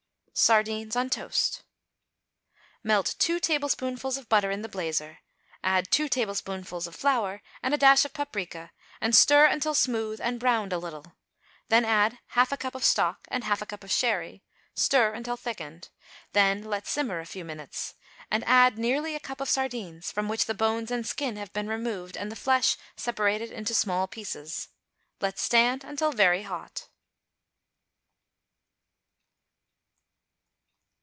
=Sardines on Toast.= Melt two tablespoonfuls of butter in the blazer; add two tablespoonfuls of flour and a dash of paprica, and stir until smooth and browned a little; then add half a cup of stock and half a cup of sherry; stir until thickened, then let simmer a few minutes, and add nearly a cup of sardines, from which the bones and skin have been removed and the flesh separated into small pieces. Let stand until very hot.